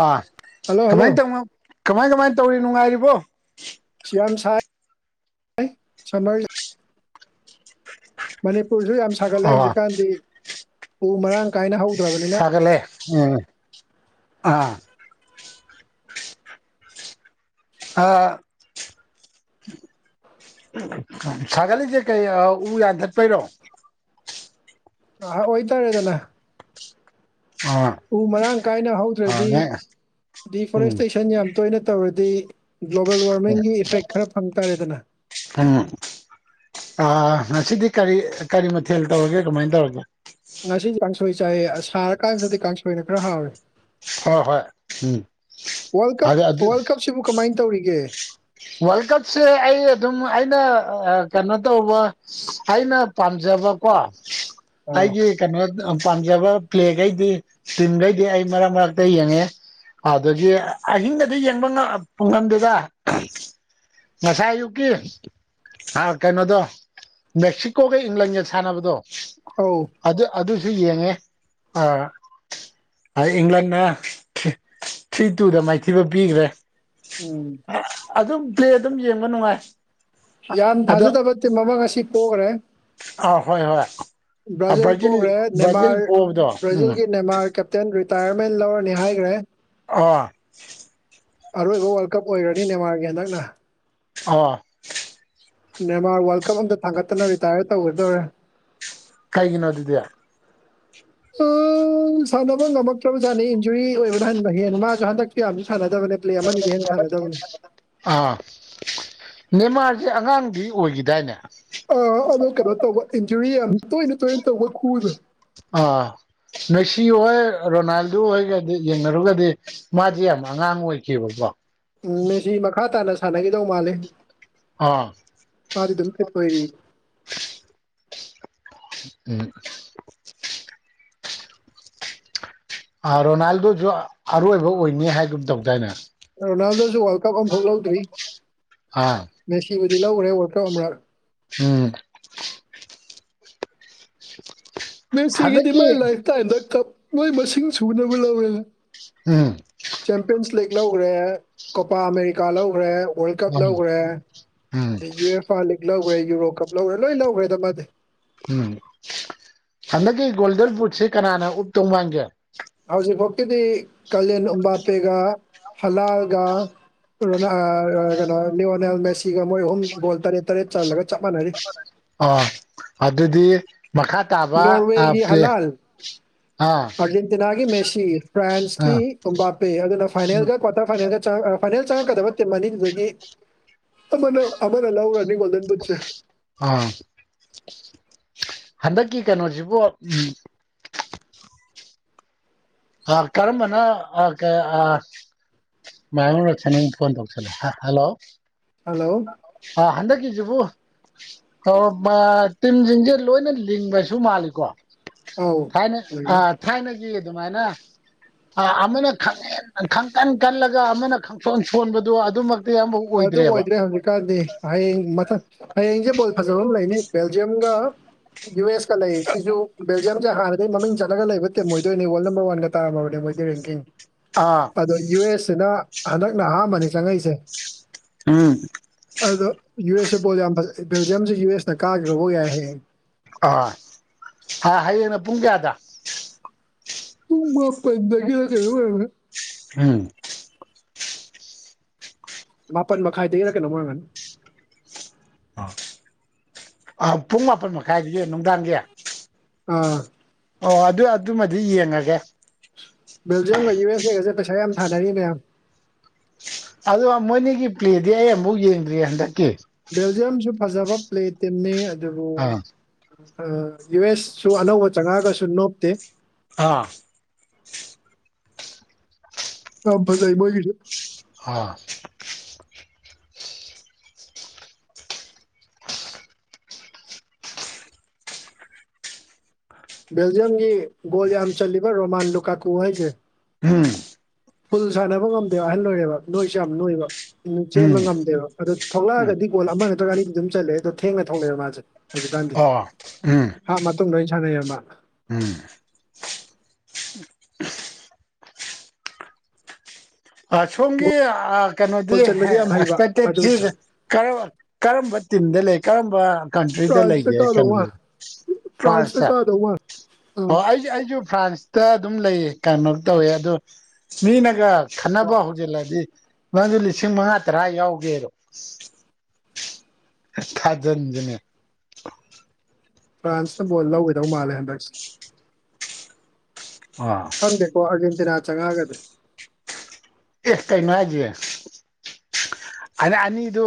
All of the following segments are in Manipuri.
ꯑꯥ ꯍꯜꯂꯣ ꯍꯜꯂꯣ ꯀꯃꯥꯏ ꯇꯧꯅꯣ ꯀꯃꯥꯏ ꯀꯃꯥꯏꯅ ꯇꯧꯔꯤ ꯅꯨꯡꯉꯥꯏꯔꯤꯕꯣ ꯁꯤꯌꯥꯝꯌꯥꯝ ꯁꯥꯔ ꯁꯔ ꯃꯅꯤꯄꯨꯔꯁꯨ ꯌꯥꯝ ꯁꯥꯒꯠꯂꯦ ꯑꯣ ꯍꯧꯖꯤꯛꯀꯥꯟꯗꯤ ꯎ ꯃꯔꯥꯡ ꯀꯥꯏꯅ ꯍꯧ ꯁꯒꯂꯦ ꯎꯝ ꯑꯥ ꯑꯥ ꯁꯥꯒꯂꯤꯁꯦ ꯀꯩ ꯎ ꯌꯥꯟꯊꯠꯄꯩꯔꯣ ꯑ ꯑꯣꯏꯇꯥꯔꯦꯗꯅ ꯑ ꯎ ꯃꯔꯥꯡ ꯀꯥꯏꯅ ꯍꯧꯗ꯭ꯔꯗꯤ ꯎꯝ ꯗꯤꯐꯣꯔꯦꯁꯇꯦꯁꯟ ꯌꯥꯝ ꯇꯣꯏꯅ ꯇꯧꯔꯗꯤ ꯒ꯭ꯂꯣꯕꯦꯜ ꯋꯥꯔꯃꯤꯡꯒꯤ ꯏꯐꯦꯛ ꯈꯔ ꯐꯪ ꯇꯥꯔꯦꯗꯅ ꯎꯝ ꯉꯁꯤꯗꯤ ꯀꯔꯤ ꯀꯔꯤ ꯃꯊꯦꯜ ꯇꯧꯔꯒꯦ ꯀꯃꯥꯏꯅ ꯇꯧꯔꯒꯦ ꯉꯁꯤ ꯀꯥꯡꯁꯣꯏ ꯆꯥꯏꯌꯦ ꯁꯥꯔꯀꯥꯟꯁꯤꯗꯗꯤ ꯀꯥꯡꯁꯣꯏꯅ ꯈꯔ ꯍꯥꯎꯔꯦ ꯍꯣꯏ ꯍꯣꯏ ꯎꯝ ꯋꯥꯔꯜ ꯀꯞ ꯑꯗꯨ ꯑꯗꯨ ꯋꯥꯔꯜ ꯀꯞꯁꯤꯕꯨ ꯀꯃꯥꯏꯅ ꯇꯧꯔꯤꯒꯦ ꯋꯥꯔꯜ ꯀꯞꯁꯦ ꯑꯩ ꯑꯗꯨꯝ ꯑꯩꯅ ꯀꯩꯅꯣ ꯇꯧꯕ ꯑꯩꯅ ꯄꯥꯝꯖꯕꯀꯣ ꯑꯥ ꯑꯩꯒꯤ ꯀꯩꯅꯣ ꯄꯥꯝꯖꯕ ꯄ꯭ꯂꯦꯈꯩꯗꯤ ꯇꯤꯝꯈꯩꯗꯤ ꯑꯩ ꯃꯔꯛ ꯃꯔ ꯑ ꯌꯦꯡꯉꯦ ꯑꯗꯨꯗꯒꯤ ꯑꯍꯤꯡꯒꯗꯤ ꯌꯦꯡꯕ ꯄꯨꯡꯐꯝꯗꯨꯗ ꯉꯥꯁꯥꯏ ꯑꯌꯨꯛꯀꯤ ꯑ ꯀꯩꯅꯣꯗꯣ ꯃꯦꯛꯁꯤꯀꯣꯒ ꯏꯪꯂꯟꯒ ꯁꯥꯟꯅꯕꯗꯣ ꯑꯧ ꯑꯗꯨ ꯑꯗꯨꯁꯨ ꯌꯦꯡꯉꯦ ꯏꯪꯂꯟꯅ ꯊ꯭ꯔꯤ ꯇꯨꯗ ꯃꯥꯏꯊꯤꯕ ꯄꯤꯈ꯭ꯔꯦ ꯎꯝ ꯑꯗꯨꯝ ꯄ꯭ꯂꯦ ꯑꯗꯨꯝ ꯌꯦꯡꯕ ꯅꯨꯡꯉꯥꯏ ꯌꯥꯝ ꯑꯗꯣ ꯊꯥꯖꯗꯕ ꯇꯤꯝ ꯑꯃ ꯉ ꯑꯁꯤ ꯄꯣꯈ꯭ꯔꯦ ꯑꯥ ꯍꯣꯏ ꯍꯣꯏ ꯕ꯭ꯔꯥꯖꯤꯜ ꯄꯣꯈ꯭ꯔꯦ ꯕ꯭ꯔꯥꯖꯤꯜ ꯅꯦꯃꯥꯔ ꯄꯣꯕꯗꯣ ꯎꯝ ꯕ꯭ꯔꯥꯖꯤꯜꯒꯤ ꯅꯦꯃꯥꯔ ꯀ ꯇꯦꯟ ꯔꯤꯇꯥꯌꯔꯃꯦꯟ ꯂꯧꯔꯅꯤ ꯍꯥꯏꯈ꯭ꯔꯦ ꯑꯥ ꯑꯔꯣꯏꯕ ꯋꯥꯔꯜ ꯀꯞ ꯑꯣꯏꯔꯅꯤ ꯅꯦꯦꯟꯃꯥꯔꯒꯤ ꯍꯟꯗꯛꯅ ꯑꯥ ꯃꯦꯟꯃꯥꯔ ꯋꯥꯔꯜ ꯀꯞ ꯑꯝꯇ ꯊꯥꯡꯒꯠꯇꯅ ꯔꯤꯇꯥꯌꯔ ꯇꯧꯒꯗꯧꯔꯦ ꯀꯩꯒꯤꯅꯣ ꯑꯗꯨꯗ꯭ ꯎꯝ ꯁꯥꯟꯅꯕ ꯉꯝꯃꯛꯇ꯭ꯔꯕꯖꯥꯠꯅꯤ ꯏꯟꯖꯨꯔꯤ ꯑꯣꯏꯕ꯭ꯔꯥ ꯍꯟꯕ ꯍꯦꯅ ꯃꯥꯁꯨ ꯍꯟꯗꯛꯇꯤ ꯌꯥꯝꯅꯁꯨ ꯁꯥꯟꯅꯗꯕꯅꯦ ꯄ꯭ꯂꯦ ꯑꯃꯅꯤ ꯍꯦꯟꯅ ꯁꯥꯟꯅꯗꯕꯅꯤ ꯑꯥ ꯅꯦꯃꯥꯔꯁꯦ ꯑꯉꯥꯡꯗꯤ ꯑꯣꯏꯈꯤꯗꯥꯏꯅꯦ ꯑ ꯑꯗꯣ ꯀꯩꯅꯣ ꯇꯧꯕ ꯏꯟꯖꯨꯔꯤ ꯌꯥꯝ ꯇꯣꯏꯅ ꯇꯣꯏꯅ ꯇꯧꯕ ꯈꯨꯗꯣ ꯑꯥ ꯃꯦꯛꯁꯤ ꯍꯣꯏ ꯔꯣꯅꯥꯜꯗꯣ ꯍꯣꯏꯒꯗꯤ ꯌꯦꯡꯅꯔꯨꯔꯒꯗꯤ ꯃꯥꯗꯤ ꯌꯥꯝ ꯑꯉꯥꯡ ꯑꯣꯏꯈꯤꯕꯀꯣ ꯎꯝ ꯃꯦꯁꯤ ꯃꯈꯥ ꯇꯥꯅ ꯁꯥꯟꯅꯈꯤꯗꯧ ꯃꯥꯂꯦ ꯑꯥ ꯃꯥꯗꯤ ꯑꯗꯨꯝ ꯐꯤꯠ ꯑꯣꯏꯔꯤ ꯎꯝ ꯔꯣꯅꯥꯜꯗꯣꯁꯨ ꯑꯔꯣꯏꯕ ꯑꯣꯏꯅꯤ ꯍꯥꯏꯒꯨꯝ ꯇꯧꯗꯥꯏꯅꯦ ꯔꯣꯅꯥꯜꯗꯣꯖꯨ ꯋꯥꯔꯜꯗ ꯀꯞ ꯑꯝꯐꯥꯎ ꯂꯧꯗ꯭ꯔꯤ ꯑꯥ ꯃꯦꯁꯤꯍꯣꯌꯗꯤ ꯂꯧꯒꯔꯦ ꯋꯥꯔꯜꯗ ꯀꯞ ꯑꯃꯨꯔꯛ ꯎꯝ ꯃꯦꯁꯤꯒꯤꯗꯤ ꯍꯟꯗꯛꯀꯤ ꯃꯥꯏ ꯂꯥꯏꯐꯇꯥꯏꯝꯗ ꯀꯞ ꯂꯣꯏ ꯃꯁꯤꯡ ꯁꯨꯅꯕ ꯂꯧꯋꯦꯗ ꯎꯝ ꯆꯦꯝꯄꯤꯌꯟꯁ ꯂꯤꯒ ꯂꯧꯈ꯭ꯔꯦ ꯀꯣꯄꯥ ꯑꯃꯦꯔꯤꯀꯥ ꯂꯧꯈ꯭ꯔꯦ ꯋꯥꯔꯜ ꯀꯞ ꯎꯝ ꯂꯧꯒꯔꯦ ꯎꯝ ꯑꯗꯩ ꯌꯨ ꯑꯦꯐ ꯑꯥꯔ ꯂꯤꯛ ꯂꯧꯒꯔꯦ ꯌꯨꯔꯣ ꯀꯞ ꯂꯧꯒꯔꯦ ꯂꯣꯏ ꯂꯧꯒꯔꯦꯗ ꯃꯥꯗꯤ ꯎꯝ ꯍꯟꯗꯛꯀꯤ ꯒꯣꯜꯗꯟ ꯐꯨꯗꯁꯦ ꯀꯅꯥꯅ ꯎꯞꯇꯧ ꯃꯥꯟꯒꯦ ꯍꯧꯖꯤꯛ ꯐꯥꯎꯇꯗꯤ ꯀꯥꯂꯦꯟ ꯎꯝꯕꯥꯄꯦꯒ ꯍꯂꯥꯜꯒ ꯀꯩꯅꯣ ꯂꯤꯌꯣꯅꯦꯜ ꯃꯦꯁꯤ ꯁꯤꯒ ꯃꯣꯏ ꯑꯍꯨꯝ ꯒꯣꯜ ꯇꯔꯦꯠ ꯇꯔꯦꯠ ꯆꯜꯂꯒ ꯆꯞ ꯃꯥꯟꯅꯔꯤ ꯑꯥ ꯑꯗꯨꯗꯤ ꯃꯈꯥ ꯇꯥꯕ ꯅꯣꯔꯋꯦꯒꯤ ꯑꯞꯗꯦꯠ ꯍꯂꯥꯜ ꯑꯥꯔꯖꯦꯟꯇꯤꯅꯥꯒꯤ ꯃꯦꯁꯤ ꯐ꯭ꯔꯥꯟꯁꯀꯤ ꯑꯥ ꯇꯣꯝꯕꯥꯄꯦ ꯑꯗꯨꯅ ꯐꯥꯏꯅꯦꯜꯒ ꯀ꯭ꯋꯥꯇꯔ ꯐꯥꯏꯅꯦꯜꯒ ꯐꯥꯏꯅꯦꯜ ꯆꯪꯉꯛꯀꯗꯕ ꯅꯠꯇꯦ ꯃꯅꯤꯡꯗꯨꯗꯒꯤ ꯑꯃꯅ ꯑꯃꯅ ꯂꯧꯈꯔꯅꯤ ꯒꯣꯜꯗꯟ ꯕꯨꯠꯁꯦ ꯑ ꯍꯟꯗꯛꯀꯤ ꯀꯩꯅꯣꯁꯤꯕꯨ ꯎꯝ ꯑ ꯀꯔꯝꯕꯅ ꯑꯥ ꯀꯩ ꯑꯥ ꯃꯥꯏ ꯐꯣꯟ ꯇꯧ ꯍꯜꯂꯣ ꯍꯜꯂꯣ ꯍꯥ ꯍꯟꯗꯛ ꯀꯤꯖꯤꯕꯨ ꯇꯤꯝꯁꯤꯡꯁꯦ ꯂꯣꯏꯅ ꯂꯤꯡꯕꯁꯨ ꯃꯥꯜꯂꯤꯀꯣ ꯑꯧ ꯊꯥꯏꯅ ꯑ ꯑꯣꯏꯅꯤ ꯊꯥꯏꯅꯒꯤ ꯑꯗꯨꯃꯥꯏꯅ ꯑꯃꯅ ꯈꯪꯀꯟ ꯀꯜꯂꯒ ꯑꯃꯅ ꯈꯪꯁꯣꯟ ꯁꯣꯟꯕꯗꯣ ꯑꯗꯨꯃꯛꯇꯤ ꯑꯃꯐꯥꯎ ꯑꯗꯨ ꯑꯣꯏꯗ꯭ꯔꯦꯕ ꯑꯣꯏꯗ꯭ꯔꯦ ꯍꯧꯖꯤꯛꯀꯥꯟꯗꯤ ꯍꯌꯦꯡ ꯃꯊꯪ ꯍꯌꯦꯡꯖꯦ ꯕꯣꯜ ꯐꯖꯕꯃ ꯂꯩꯅꯤ ꯕꯦꯜꯖꯤꯌꯝꯒ ꯌꯨ ꯑꯦꯁꯀ ꯂꯩꯌꯦ ꯁꯤꯖꯨ ꯕꯦꯜ ꯖꯦꯝꯖꯦ ꯍꯥꯟꯅꯗꯩ ꯃꯃꯤꯡ ꯆꯠꯂꯒ ꯂꯩꯕ ꯇꯤꯝ ꯑꯣꯏꯗꯣꯏꯅꯦ ꯋꯥꯔꯜ ꯅꯝꯕꯔ ꯋꯥꯟꯒ ꯇꯥꯝꯃꯕꯅꯦ ꯃꯣꯏꯗꯤ ꯔꯦꯡꯀꯤꯡ ꯑꯥ ꯑꯗꯣ ꯌꯨ ꯑꯦꯁ ꯁꯤꯅ ꯍꯟꯗꯛꯅ ꯑꯍꯥꯟꯕꯅꯤ ꯆꯪꯉꯛꯏꯁꯦ ꯎꯝ ꯑꯗꯣ ꯌꯨ ꯑꯦꯁꯁꯨ ꯄꯣꯜ ꯌꯥꯝ ꯐꯖꯩ ꯕꯦꯜꯖꯤꯌꯝꯁꯤ ꯌꯨ ꯑꯦꯁꯅ ꯀꯥꯈꯤꯕꯕꯐꯥꯎ ꯌꯥꯏ ꯍꯌꯦꯡ ꯑ ꯑꯥꯏ ꯍ ꯍꯌꯦꯡꯅ ꯄꯨꯡ ꯀꯌꯥꯗ ꯄꯨꯡ ꯃꯥꯄꯟꯗꯒꯤꯔꯥ ꯀꯩꯅꯣꯝ ꯑꯣꯏꯔꯝꯒꯅꯤ ꯎꯝ ꯃꯥꯄꯟ ꯃꯈꯥꯏꯗꯒꯤꯔꯛ ꯀꯩꯅꯣ ꯃꯥꯡꯒꯅꯤ ꯑ ꯑ ꯄꯨꯡ ꯃꯥꯄꯟ ꯃꯈꯥꯏꯗꯒꯤ ꯅꯨꯡꯗꯥꯡꯒꯤ ꯑꯥ ꯑꯣ ꯑꯗꯨ ꯑꯗꯨꯃꯗꯤ ꯌꯦꯡꯉꯒꯦ ꯕꯦꯜꯖꯤꯌꯝꯒ ꯌꯨ ꯑꯦꯁ ꯑꯦꯒꯁꯦ ꯄꯩꯁꯥ ꯌꯥꯝ ꯊꯥꯅꯔꯤꯅꯦ ꯌꯥꯝ ꯑꯗꯣ ꯃꯣꯏꯅꯤꯒꯤ ꯄ꯭ꯂꯦꯗꯤ ꯑꯩ ꯑꯃꯨꯛ ꯌꯦꯡꯗ꯭ꯔꯤꯌꯦ ꯍꯟꯗꯛꯀꯤ ꯕꯦꯜꯖꯤꯌꯝꯁꯨ ꯐꯖꯕ ꯄ꯭ꯂꯦ ꯇꯤꯝꯅꯤ ꯑꯗꯨꯕꯨ ꯑꯥ ꯌꯨ ꯑꯦꯁꯁꯨꯨ ꯑꯅꯧꯕ ꯆꯉꯑꯒꯁꯨ ꯅꯣꯞꯇꯦ ꯑꯥ ꯌꯥꯝ ꯐꯖꯩ ꯃꯣꯏꯗꯣ ꯍꯥ ꯕꯦꯜꯖꯤꯌꯝꯒꯤ ꯒꯣꯜ ꯌꯥꯝ ꯆꯜꯂꯤꯕ ꯔꯣꯃꯥꯟꯗꯣ ꯀꯥꯇꯣ ꯍꯥꯏꯖꯦ ꯎꯝ ꯐꯜ ꯁꯥꯟꯅꯕ ꯉꯝꯗꯦꯕ ꯑꯍꯜ ꯂꯣꯏꯔꯦꯕ ꯅꯣꯏꯁꯨ ꯌꯥꯝ ꯅꯣꯏꯕ ꯎꯝ ꯆꯦꯟꯕ ꯉꯝꯗꯦꯕ ꯑꯗꯣ ꯎꯝ ꯊꯣꯛꯂꯛꯑꯒꯗꯤ ꯒꯣꯜ ꯑꯃ ꯅꯠꯇ꯭ꯔꯒ ꯑꯅꯤꯗꯤ ꯑꯗꯨꯝ ꯆꯟꯂꯦ ꯑꯗꯣ ꯊꯦꯡꯅ ꯊꯣꯛꯂꯛꯑꯦꯕ ꯃꯥꯁꯦ ꯍꯧꯖꯤꯛꯀꯥꯟꯗꯤ ꯑꯣ ꯎꯝ ꯍꯥꯞ ꯃꯇꯨꯡꯗ ꯑꯣꯏ ꯁꯥꯟꯅꯩꯌꯦꯕ ꯃꯥ ꯎꯝ ꯑꯥ ꯃꯥ ꯁꯣꯝꯒꯤ ꯑꯥ ꯀꯩꯅꯣꯗꯤ ꯒꯣꯜ ꯍꯥ ꯆꯟꯕꯗꯤ ꯌꯥꯝ ꯍꯩꯕ ꯑꯗꯨ ꯑꯦꯛꯁꯄꯦꯛꯇꯦꯠꯁꯤ ꯀꯔꯝ ꯀꯔꯝꯕ ꯇꯤꯝꯗ ꯂꯩ ꯀꯔꯝꯕ ꯀꯇ꯭ꯔꯤꯗ ꯐ꯭ꯔꯥꯟꯁꯇ ꯂꯩꯒꯦ ꯀꯥꯗꯧ ꯀꯟ ꯃꯥꯜꯂꯦ ꯐ꯭ꯔꯥꯟꯁꯇ ꯐ꯭ꯔꯥꯟꯁꯦ ꯀꯥꯗꯧ ꯃꯥꯜꯂꯦ ꯑꯣ ꯑꯥ ꯑꯩꯁꯨ ꯑꯩꯁꯨ ꯐ꯭ꯔꯥꯟꯁ ꯇ ꯑꯗꯨꯝ ꯂꯩꯌꯦ ꯀꯩꯅꯣ ꯇꯧꯋꯦ ꯑꯗꯣ ꯃꯤꯅꯒ ꯈꯟꯅꯕ ꯍꯧ ꯖꯤꯜꯂꯗꯤ ꯃꯥꯖꯨ ꯂꯤꯁꯤꯡ ꯃꯉꯥ ꯇꯔꯥ ꯌꯥꯎꯒꯦꯕ ꯊꯖꯟꯁꯤꯅꯦ ꯐ꯭ꯔꯥꯟꯁꯅ ꯕꯣꯜ ꯂꯧꯒꯤꯗꯧ ꯃꯥꯜꯂꯦ ꯍꯟꯗꯛꯁꯦ ꯑ ꯈꯪꯗꯦꯀꯣ ꯑꯥꯔꯖꯦꯟꯇꯤꯅꯥ ꯆꯪꯉꯛꯑꯒꯗꯤ ꯑꯦ ꯀꯩꯅꯤ ꯍꯥꯏꯖꯦ ꯑꯗ ꯑꯅꯤꯗꯨ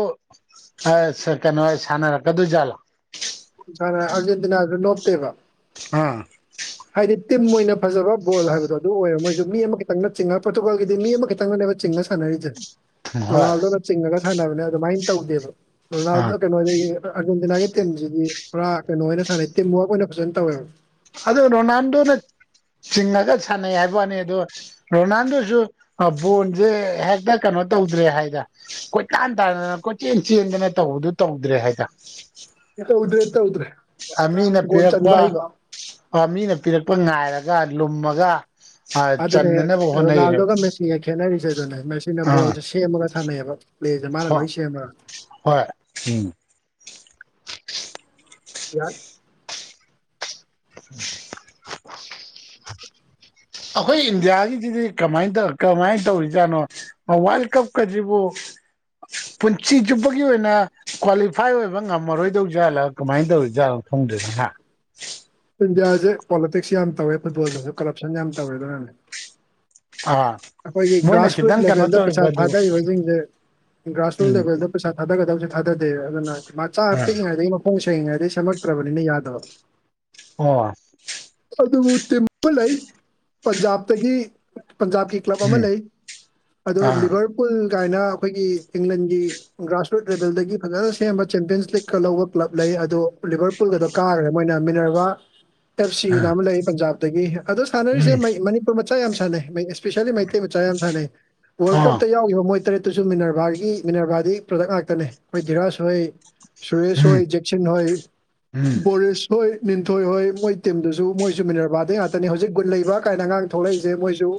ꯀꯩꯅꯣ ꯁꯥꯟꯅꯔꯛꯀꯗꯣꯏꯖꯥꯠꯂꯥ ꯁꯔꯥ ꯑꯔꯖꯦꯟꯇꯤꯅꯥꯁꯨ ꯅꯣꯞꯇꯦꯕ ꯍꯥꯥ ꯍꯥꯏꯗꯤ ꯇꯤꯝ ꯑꯣꯏꯅ ꯐꯖꯕ ꯕꯣꯜ ꯍꯥꯏꯕꯗꯣ ꯑꯗꯨ ꯑꯣꯏꯔꯦ ꯃꯣꯏꯁꯨ ꯃꯤ ꯑꯃ ꯈꯤꯇꯪꯅ ꯆꯤꯡꯉ ꯄꯣꯔꯇꯨꯒꯜꯒꯤꯗꯤ ꯃꯤ ꯑꯃ ꯈꯤꯇꯪꯅꯅꯦꯕ ꯆꯤꯡꯉꯁ ꯁꯥꯟꯅꯔꯤꯁꯦ ꯍꯣꯏ ꯔꯣꯅꯥꯜꯗꯣꯅ ꯆꯤꯡꯉꯒ ꯁꯥꯟꯅꯕꯅꯦ ꯑꯗꯨꯃꯥꯏꯅ ꯇꯧꯗꯦꯕ ꯑꯥ ꯔꯣꯅꯥꯜꯗꯣ ꯀꯩꯅꯣꯗꯒꯤ ꯑꯥꯔꯖꯦꯟꯇꯤꯅꯥꯒꯤ ꯇꯤꯝꯁꯤꯗꯤ ꯄꯨꯔꯥ ꯀꯩꯅꯣ ꯑꯣꯏꯅ ꯁꯥꯟꯅꯩ ꯇꯤꯝ ꯋꯔꯛ ꯑꯣꯏꯅ ꯐꯖꯅ ꯇꯧꯋꯦꯕ ꯑꯗꯣ ꯔꯣꯅꯥꯜꯗꯣꯅ ꯆꯤꯡꯉꯒ ꯁꯥꯟꯅꯩ ꯍꯥꯏꯕ ꯋꯥꯅꯤ ꯑꯗꯣ ꯔꯣꯅꯥꯜꯗꯣꯁꯨ ꯕꯣꯟꯁꯦ ꯍꯦꯛꯇ ꯀꯩꯅꯣ ꯇꯧꯗ꯭ꯔꯦ ꯍꯥꯏꯗ ꯀꯣꯏꯇꯥꯟ ꯇꯥꯟꯗꯅ ꯀꯣꯏꯆꯦꯟ ꯆꯦꯟꯗꯅ ꯇꯧꯕꯗꯨ ꯇꯧꯗ꯭ꯔꯦ ꯍꯥꯏꯗꯥ꯫ ꯇꯧꯗ꯭ꯔꯦ ꯇꯧꯗ꯭ꯔꯦ ꯑ ꯃꯤꯅ ꯒꯣꯜ ꯄꯤꯔꯛꯄ ꯆꯟꯕ ꯍꯩꯕ ꯃꯤꯅ ꯄꯤꯔꯛꯄ ꯉꯥꯏꯔꯒ ꯂꯨꯝꯃꯒ ꯑ ꯆꯅꯅꯕ ꯍꯣꯠꯅꯩ ꯁꯤꯗ ꯈꯦꯠꯅꯔꯤꯖꯦ ꯑꯗꯨꯅꯦ ꯃꯦꯁꯤꯅ ꯕꯣꯜꯖꯦ ꯁꯦꯝꯃꯒ ꯁꯥꯟꯅꯩ ꯑꯕ ꯍꯣ ꯍꯣꯏ ꯎꯝ ꯌꯥꯏ [inaudible] [inaudible] ꯑꯈꯣꯏ ꯏꯟꯗꯤꯌꯥꯒꯤꯗꯤꯗꯤ ꯀꯃꯥꯏꯅ ꯇꯧ ꯀꯃꯥꯏꯅ ꯇꯧꯔꯤꯖꯥꯠꯅꯣ ꯋꯥꯔꯜ ꯀꯞ ꯀꯖꯤꯕꯨ ꯄꯨꯟꯁꯤ ꯆꯨꯞꯄꯒꯤ ꯑꯣꯏꯅ ꯀ꯭ꯋꯥꯂꯤꯐꯥꯏ ꯑꯣꯏꯕ ꯉꯝꯃꯔꯣꯏꯗꯧ ꯖꯥꯠꯂꯥ ꯀꯃꯥꯏ ꯇꯧꯔꯤꯖꯥꯠꯅꯣ ꯐꯣꯡꯗ꯭ꯔꯁꯤꯍ ꯏꯟꯗꯤꯌꯥꯁꯦ ꯄꯣꯂꯤꯇꯤꯛꯁ ꯌꯥꯝ ꯇꯧꯋꯦ ꯐꯨꯠꯕꯣꯜꯗꯁꯨ ꯀꯔꯞꯁꯟ ꯌꯥꯝ ꯇꯧꯋꯦ ꯑꯗꯨꯅꯅꯦ ꯑꯥ ꯑꯩꯈꯣꯏꯒꯤ ꯃꯣꯏꯅ ꯒ꯭ꯔꯥꯁꯔꯨꯠ ꯈꯤꯇꯪ ꯀꯩꯅꯣ ꯂꯦꯚꯦꯜꯗ ꯇꯧꯔꯤꯕ ꯄꯩꯁꯥ ꯑꯗꯨ ꯊꯥꯗꯔꯤꯕꯁꯤꯡꯁꯦ ꯒ꯭ꯔꯥꯁꯔꯨꯠ ꯎꯝ ꯂꯦꯚꯦꯜꯗ ꯄꯩꯁꯥ ꯊꯥꯗꯒꯗꯕꯁꯦ ꯊꯥꯗꯗꯦ ꯑꯗꯨꯅ ꯃꯆꯥ ꯑꯥ ꯄꯤꯛꯏꯉꯩꯗꯒꯤ ꯈꯣꯡ ꯁꯦꯡꯉꯤꯉꯩꯗꯒꯤ ꯁꯦꯃꯛꯇ꯭ꯔꯕꯅꯤꯅ ꯌꯥꯗꯕ ꯑꯣ ꯑꯗꯨꯕꯨ ꯇꯤꯕ ꯂꯩ ꯄꯟꯖꯥꯕꯇꯒꯤ ꯄꯟꯖꯥꯕꯀꯤ ꯀ꯭ꯂꯕ ꯑꯃ ꯎꯝ ꯂꯩ ꯑꯗꯣ ꯑꯥ ꯂꯤꯚꯔ ꯄꯨꯨꯜ ꯒꯥꯏꯅ ꯑꯈꯣꯏꯒꯤ ꯏꯪꯂꯟꯒꯤ ꯒ꯭ꯔꯥꯁꯔꯨꯠ ꯂꯦꯚꯦꯜꯗꯒꯤ ꯐꯖꯅ ꯁꯦꯝꯕ ꯆꯦꯝꯄꯤꯌꯟꯁ ꯂꯤꯛꯀ ꯂꯧꯕ ꯀ꯭ꯂꯕ ꯂꯩ ꯑꯗꯣ ꯂꯤꯕꯔ ꯄꯨꯜꯒꯗꯣ ꯀꯥꯔꯒ ꯃꯣꯏꯅ ꯃꯤꯟꯅꯔꯒ ꯑꯦꯐ ꯁꯤ ꯑꯥ ꯑꯅ ꯑꯃ ꯂꯩ ꯄꯟꯖꯥꯕꯇꯒꯤ ꯑꯗꯣ ꯁꯥꯟꯅꯔꯤꯁꯦ ꯎꯝ ꯃꯩ ꯃꯅꯤꯄꯨꯔ ꯃꯆꯥ ꯌꯥꯝ ꯁꯥꯟꯅꯩ ꯃꯩ ꯏꯁꯄꯤꯁꯦꯜꯂꯤ ꯃꯩꯇꯩ ꯃꯆꯥ ꯌꯥꯝ ꯁꯥꯟꯅꯩ ꯋꯥꯔꯜ ꯑꯣ ꯀꯞꯇ ꯌꯥꯎꯈꯤꯕ ꯃꯣꯏ ꯇꯔꯦꯠ ꯇꯨꯁꯨ ꯃꯤꯅꯔꯕꯥꯒꯤ ꯃꯤꯅꯔꯕꯥꯗꯒꯤ ꯄ꯭ꯔꯗꯛ ꯉꯥꯛꯇꯅꯤ ꯈꯣꯏ ꯗꯤꯔꯥꯁ ꯍꯣꯏ ꯁꯨꯔꯦꯁ ꯎꯝ ꯍꯣꯏ ꯖꯦꯛꯁꯟ ꯍꯣꯏ ꯎꯝ ꯕꯣꯔꯤꯁ ꯍꯣꯏ ꯃꯤꯟꯊꯣꯏ ꯍꯣꯏ ꯃꯣꯏ ꯇꯤꯝꯗꯨꯁꯨ ꯃꯣꯏꯁꯨ ꯃꯤꯅꯔꯚꯥꯗꯩ ꯉꯥꯛꯇꯅꯤ ꯍꯧꯖꯤꯛ ꯒꯨꯟ ꯂꯩꯕ ꯒꯥꯏꯅ ꯑꯉꯥꯡ ꯊꯣꯛꯂꯛꯏꯖꯦ ꯃꯣꯏꯖꯨ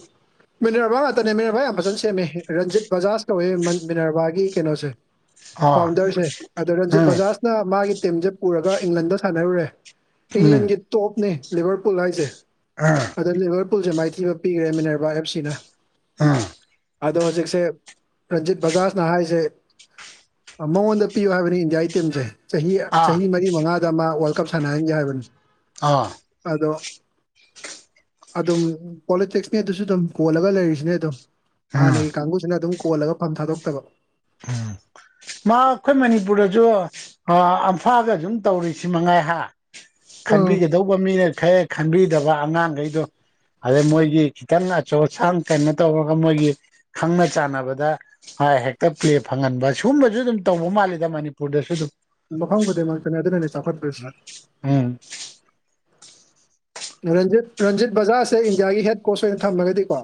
ꯃꯤꯅꯔꯕꯥ ꯉꯥꯛꯇꯅꯦ ꯃꯤꯅꯔꯕꯥ ꯌꯥꯝ ꯐꯖꯅ ꯁꯦꯝꯃꯦ ꯔꯟꯖꯤꯠ ꯕꯖꯥꯖ ꯀꯧꯋꯦ ꯃꯤꯅꯔꯕꯥꯒꯤ ꯀꯩꯅꯣꯁꯦ ꯑꯣ ꯐꯥꯎꯟꯗꯔꯁ ꯑꯗ ꯔꯟꯖꯤꯠ ꯎꯝ ꯕꯖꯥꯖ ꯅ ꯃꯥꯒꯤ ꯇꯤꯝꯁꯦ ꯄꯨꯔꯒ ꯏꯪꯂꯦꯟꯗ ꯁꯥꯟꯅꯔꯨꯔꯦ ꯎꯝ ꯏꯪꯂꯦꯟꯒꯤ ꯇꯣꯞꯅꯤ ꯂꯤꯚꯔ ꯄꯨꯜ ꯍꯥꯏꯁꯦ ꯑꯥ ꯑꯗꯨꯝ ꯂꯤꯚꯔ ꯄꯨꯜꯁꯦ ꯃꯥꯏꯊꯤꯕ ꯄꯤꯈ꯭ꯔꯦ ꯃꯤꯅꯔꯕꯥ ꯑꯦꯞ ꯁꯤꯅ ꯎꯝ ꯑꯗꯣ ꯍꯧꯖꯤꯛꯁꯦ ꯔꯟꯖꯤꯠ ꯕꯖꯥꯖꯅ ꯍꯥꯏꯔꯤꯁꯦ ꯃꯉꯣꯟꯗ ꯄꯤꯌꯨ ꯍꯥꯏꯕꯅꯤ ꯏꯟꯖꯌꯥꯥꯏ ꯇꯤꯝꯁꯦ ꯆꯍꯤ ꯑꯥ ꯆꯍꯤ ꯃꯔꯤ ꯃꯉꯥꯗ ꯑꯃ ꯋꯥꯔꯜ ꯀꯞ ꯁꯥꯟꯅꯍꯟꯖꯦ ꯍꯥꯏꯕꯅꯤ ꯑꯥ ꯑꯗꯣ ꯑꯗꯨꯝ ꯄꯣꯂꯤꯇꯦꯛꯁꯅꯤꯗ ꯑꯗꯨꯁꯨ ꯑꯗꯨꯝ ꯀꯣꯜꯂꯒ ꯂꯩꯔꯤꯁꯤꯅꯦ ꯑꯗꯨꯝ ꯎꯝ ꯍꯥꯟꯅꯒꯤ ꯀꯥꯡꯕꯨꯁꯤꯅ ꯑꯗꯨꯝ ꯀꯣꯜꯂꯒ ꯐꯝ ꯊꯥꯗꯣꯛꯇꯕ ꯎꯝ [inaudible] ꯃꯥ ꯑꯩꯈꯣꯏ ꯃꯅꯤꯄꯨꯔꯗꯁꯨ ꯑꯝꯐꯥꯗ ꯑꯗꯨꯝ ꯇꯧꯔꯤꯁꯤ ꯃꯉꯥꯏ ꯍꯥ ꯎꯝ ꯈꯟꯕꯤꯒꯗꯧꯕ ꯃꯤꯅ ꯈꯔ ꯈꯟꯕꯤꯗꯕ ꯑꯉꯥꯡꯒꯩꯗꯣ ꯑꯗꯩ ꯃꯣꯏꯒꯤ ꯈꯤꯇꯪ ꯑꯆꯧ ꯑꯁꯥꯡ ꯀꯩꯅꯣ ꯇꯧꯔꯒ ꯃꯣꯏꯒꯤ ꯈꯪꯅ ꯆꯥꯟꯅꯕꯗ ꯍꯦꯛ ꯇꯛ ꯄ꯭ꯂꯦ ꯐꯪꯍꯟꯕ ꯁꯨꯝꯕꯖꯨ ꯑꯗꯨꯝ ꯇꯧꯕ ꯃꯥꯜꯂꯤꯗ ꯃꯅꯤꯄꯨꯔꯗꯁꯨ ꯑꯗꯨꯝ ꯃꯐꯝ ꯈꯨꯗꯤꯡꯃꯛꯇꯅꯤ ꯑꯗꯨꯅꯅꯦ ꯆꯥꯎꯈꯠꯇ꯭ꯔꯤꯁꯤ ꯎꯝ ꯔꯟꯖꯤꯠ ꯔꯟꯖꯤꯠ ꯕꯖꯥꯔꯁꯦ ꯏꯟꯗꯤꯌꯥꯒꯤ ꯍꯦꯠ ꯀꯣꯁ ꯑꯣꯏꯅ ꯊꯝꯃꯒꯗꯤꯀꯣ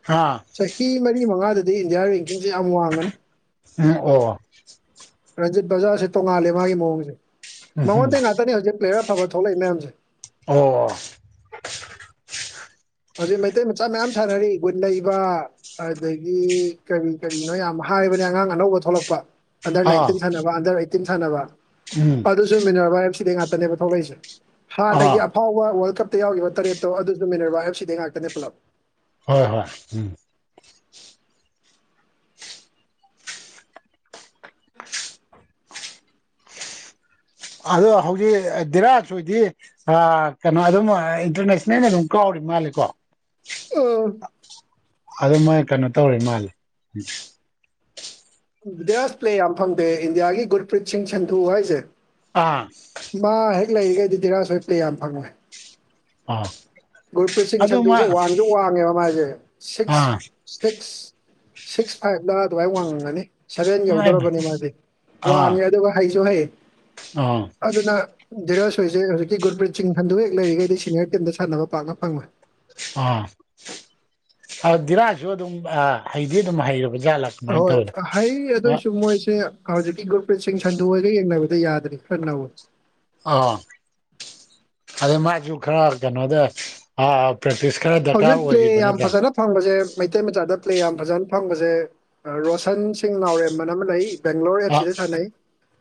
ꯍꯥꯥ ꯆꯍꯤ ꯃꯔꯤ ꯃꯉꯥꯗꯗꯤ ꯏꯟꯗꯤꯌꯥ ꯔꯦꯡꯀꯤꯡꯁꯦ ꯌꯥꯝ ꯋꯥꯡꯉꯅꯤ ꯎꯝ ꯑꯣ ꯔꯟꯖꯤꯠ ꯕꯖꯥꯔꯁꯦ ꯇꯣꯡꯉꯥꯜꯂꯦ ꯃꯥꯒꯤ ꯃꯑꯣꯡꯁꯦ ꯎꯝ ꯃꯉꯣꯟꯗ ꯉꯥꯛꯇꯅꯦ ꯍꯧꯖꯤꯛ ꯄ꯭ꯂꯦꯌꯔ ꯑꯐꯕ ꯊꯣꯛꯂꯛꯏ ꯃꯌꯥꯝꯁꯦ ꯑꯣ ꯍꯧꯖꯤꯛ ꯃꯩꯇꯩ ꯃꯆꯥ ꯃꯌꯥꯝ ꯁꯥꯟꯅꯔꯤ ꯒꯨꯟ ꯂꯩꯕ ꯑꯗꯒꯤ ꯀꯔꯤ ꯀꯔꯤꯅꯣ ꯌꯥꯝ ꯍꯥꯏꯕꯅꯦ ꯑꯉꯥꯡ ꯑꯅꯧꯕ ꯊꯣꯛꯂꯛꯄ ꯑꯟꯗꯔ ꯑꯥ ꯅꯥꯏꯟꯇꯤꯟ ꯁꯥꯟꯅꯕ ꯑꯟꯗꯔ ꯑꯩꯠꯇꯤꯟ ꯁꯥꯟꯅꯕ ꯎꯝ ꯑꯗꯨꯁꯨ ꯃꯤꯅꯔꯚꯥꯏ ꯑꯐꯁꯤꯗꯩ ꯉꯥꯛꯇꯅꯦꯕ ꯊꯣꯛꯂꯛꯏꯁꯦ ꯍꯥꯟꯅꯒꯤ ꯑꯥ ꯑꯐꯥꯎꯕ ꯋꯥꯔꯜ ꯀꯞꯇ ꯌꯥꯎꯈꯤꯕ ꯇꯔꯦꯠꯇꯣ ꯑꯗꯨꯁꯨ ꯃꯤꯟꯅꯔꯕ ꯑꯦꯐ ꯁꯤꯗꯩ ꯉꯥꯛꯇꯅꯦ ꯄꯨꯂꯞ ꯍꯣꯏ ꯍꯣꯏ ꯎꯝ ꯑꯗꯣ ꯍꯧꯖꯤꯛ ꯗꯤꯔꯥꯖ ꯍꯣꯏꯗꯤ ꯀꯩꯅꯣ ꯑꯗꯨꯝ ꯏꯟꯇꯔꯅꯦꯁꯅꯦꯜ ꯑꯗꯨꯝ ꯀꯥꯎꯔꯤ ꯃꯥꯜꯂꯦꯀꯣ ꯎꯝ ꯑꯗꯨ ꯃꯣꯏ ꯀꯩꯅꯣ ꯇꯧꯔꯦ ꯃꯥꯂꯦ ꯗꯤꯔꯥꯖ ꯄ꯭ꯂꯦ ꯌꯥꯝ ꯐꯪꯗꯦ ꯏꯟꯗꯤꯌꯥꯒꯤ ꯒꯨꯔꯄ꯭ꯔꯤꯠ ꯁꯤꯡ ꯁꯟꯙꯨ ꯍꯥꯏꯁꯦ ꯑꯥ ꯃꯥ ꯍꯦꯛ ꯂꯩꯔꯤꯈꯩꯗꯤ ꯙꯤꯔꯥꯖ ꯍꫭꯏ ꯄ꯭ꯂꯦ ꯌꯥꯝ ꯐꯪꯉꫭꯏ ꯑ ꯒꯨꯔꯄ꯭ꯔꯤꯠ ꯁꯤꯡ ꯁꯟꯗꯨꯁꯦ ꯋꯥꯡꯁꯨ ꯋꯥꯡꯉꯦꯕ ꯃꯥꯥꯏꯁꯦ ꯁꯤꯛꯁ ꯑꯥ ꯁꯤꯛꯁ ꯁꯤꯛꯁ ꯐꯥꯏꯚꯇ ꯑꯗꯨꯃꯥꯏ ꯋꯥꯡꯉꯅꯤ ꯁꯚꯦꯟ ꯌꯧꯗꯧꯔꯕꯅꯤ ꯃꯥꯗꯤ ꯑꯥ ꯋꯥꯡꯉꯦ ꯑꯗꯨꯒ ꯍꯩꯁꯨ ꯍꯩ ꯑꯥ ꯑꯗꯨꯅ ꯙꯤꯔꯥꯖ ꯍꯣꯏꯁꯦ ꯍꯧꯖꯤꯛꯀꯤ ꯒꯨꯔꯄ꯭ꯔꯤꯠ ꯁꯤꯡ ꯁꯟꯗꯨꯍꯦꯛ ꯂꯩꯔꯤꯈꯩꯗꯤ ꯁꯤꯅꯤꯌꯔ ꯇꯤꯝꯗ ꯁꯥꯟꯅꯕ ꯄꯥꯛꯅ ꯐꯪꯕ ꯑꯥ ꯗꯤꯔꯥꯁꯨ ꯑꯗꯨꯝ ꯍꯩꯗꯤ ꯑꯗꯨꯝ ꯍꯩꯔꯕ ꯖꯥꯠꯂ ꯑꯍꯣꯏ ꯍ ꯑꯗꯨꯑꯣꯏꯁꯨ ꯃꯣꯏꯁꯦ ꯍꯧꯖꯤꯛꯀꯤ ꯒꯨꯔꯨꯄ꯭ꯔꯤꯠ ꯁꯤꯡ ꯁꯟꯗꯨ ꯍꫭꯏꯒ ꯌꯦꯡꯅꯕꯗ ꯌꯥꯗꯔꯤ ꯈꯔ ꯅꯧꯔꯤ ꯑꯥ ꯑꯗꯩ ꯃꯥꯖꯨ ꯈꯔ ꯀꯩꯅꯣꯗ ꯑ ꯄ꯭ꯔꯦꯛꯇꯤꯁ ꯈꯔ ꯗꯔꯀꯥꯔ ꯍꯧꯖꯤꯛ ꯄ꯭ꯂꯦ ꯑꯣꯏꯔꯤꯕ ꯌꯥꯝ ꯅꯠꯇ ꯐꯖꯅ ꯐꯪꯕꯁꯦ ꯃꯩꯇꯩ ꯃꯆꯥꯗ ꯄ꯭ꯂꯦ ꯌꯥꯝ ꯐꯖꯅ ꯐꯪꯕꯁꯦ ꯔꯣꯁꯟ ꯁꯤꯡ ꯅꯥꯎꯔꯦꯝꯑꯅ ꯑꯃ ꯂꯩ ꯕꯦꯡꯒ꯭ꯂꯣꯔ ꯑꯥ ꯑꯦꯐꯁꯤꯗ ꯁꯥꯟꯅꯩ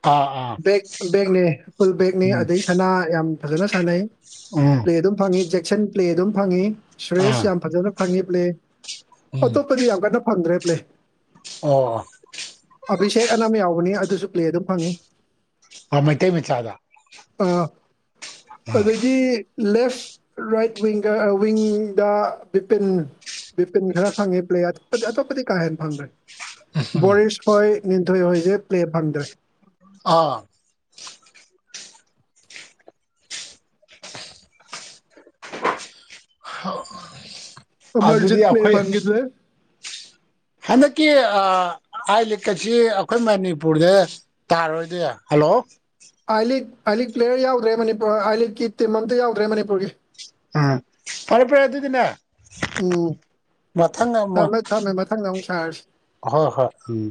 ꯑꯥ ꯑꯥ ꯕꯦꯛ ꯕꯦꯒꯅꯦ ꯐꯨꯜ ꯕꯦꯒꯅꯦ ꯎꯝ ꯑꯗꯩ ꯁꯅꯥ ꯌꯥꯝ ꯐꯖꯅ ꯁꯥꯟꯅꯩ ꯎꯝ ꯄ꯭ꯂꯦ ꯑꯗꯨꯝ ꯐꯪꯉꯤ ꯖꯦꯛꯁꯟ ꯄ꯭ꯂꯦ ꯑꯗꯨꯝ ꯐꯪꯉꯤ ꯑꯥ ꯁꯨꯔꯦꯁ ꯌꯥꯝ ꯐꯖꯅ ꯐꯪꯉꯤ ꯄ꯭ꯂꯦ ꯎꯝ ꯑꯇꯣꯞꯄꯗꯤ ꯌꯥꯝ ꯀꯟꯅ ꯐꯪꯗ꯭ꯔꯦ ꯄ꯭ꯂꯦ ꯑꯣ ꯑꯕꯤꯁꯦꯛ ꯑꯅ ꯑꯃ ꯌꯥꯎꯕꯅꯤ ꯑꯗꯨꯁꯨ ꯄ꯭ꯂꯦ ꯑꯗꯨꯝ ꯐꯪꯉꯤ ꯑ ꯃꯩꯇꯩ ꯃꯆꯥꯗ ꯑ ꯎꯝ ꯑꯗꯨꯗꯒꯤ ꯂꯦꯐ ꯔꯥꯏꯠ ꯋꯤꯡꯒ ꯑ ꯋꯤꯡ ꯇꯥ ꯕꯤꯄꯤꯟ ꯕꯤꯄꯤꯟ ꯈꯔ ꯐꯪꯉꯦ ꯄ꯭ꯂꯦ ꯑꯥ ꯑꯇꯣꯞꯄꯗꯤ ꯀꯥ ꯍꯦꯟꯅ ꯐꯪꯗ꯭ꯔꯦ ꯕꯣꯔꯤꯁ ꯍꯣꯏ ꯂꯤꯟꯊꯣꯏ ꯍꯣꯏꯁꯦ ꯄ꯭ꯂꯦ ꯐꯪꯗ꯭ꯔꯦ ꯑꯥ ꯍꯥꯑꯣ ꯑꯝꯕꯔꯖꯤꯠ ꯄ꯭ꯂꯦ ꯐꯪꯒꯤꯗ꯭ꯔꯦ ꯍꯟꯗꯛꯀꯤ ꯑꯥꯏ ꯂꯤꯛꯀꯁꯤ ꯑꯩꯈꯣꯏ ꯃꯅꯤꯄꯨꯔꯗ ꯇꯥꯔꯔꯣꯏꯗꯤ ꯍꯜꯂꯣ ꯑꯥꯏ ꯂꯤꯛ ꯑꯥꯏ ꯂꯤꯛ ꯄ꯭ꯂꯦꯌꯔ ꯌꯥꯎꯗ꯭ꯔꯦ ꯃꯅꯤꯄꯨꯔ ꯑꯥꯏ ꯂꯤꯛꯀꯤ ꯇꯤꯝ ꯑꯝꯇ ꯌꯥꯎꯗ꯭ꯔꯦ ꯃꯅꯤꯄꯨꯔꯒꯤ ꯑꯥ ꯐꯔꯦ ꯐꯔꯦ ꯑꯗꯨꯗꯤꯅꯦ ꯃꯊꯪ ꯑꯃꯥ ꯅꯪꯗꯣ ꯃꯊꯪꯗ ꯑꯃꯨꯛ ꯁꯥꯔꯁꯤ ꯍꯣꯏ ꯍꯣꯏ ꯎꯝ